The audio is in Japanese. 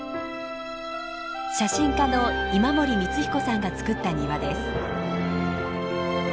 写真家の今森光彦さんがつくった庭です。